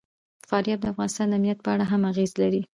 فاریاب د افغانستان د امنیت په اړه هم اغېز لري.